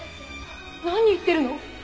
何言ってるの！？